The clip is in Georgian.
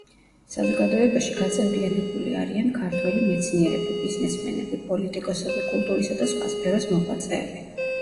საზოგადოებაში გაწევრიანებული არიან ქართველი მეცნიერები, ბიზნესმენები, პოლიტიკოსები, კულტურისა და სხვა სფეროს მოღვაწეები.